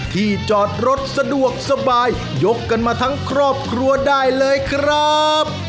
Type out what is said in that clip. ที่จอดรถสะดวกสบายยกกันมาทั้งครอบครัวได้เลยครับ